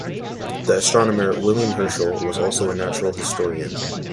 The astronomer, William Herschel was also a natural historian.